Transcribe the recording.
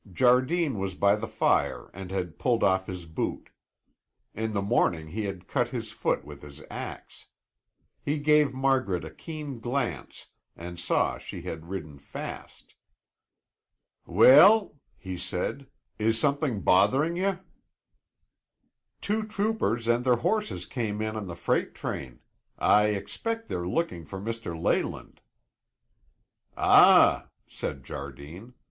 Jardine was by the fire and had pulled off his boot. In the morning he had cut his foot with his ax. He gave Margaret a keen glance and saw she had ridden fast. "Weel?" he said. "Is something bothering ye?" "Two troopers and their horses came in on the freight train. I expect they're looking for Mr. Leyland." "Ah," said Jardine.